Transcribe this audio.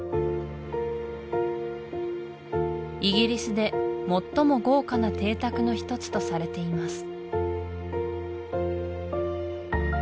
イギリスで最も豪華な邸宅の一つとされています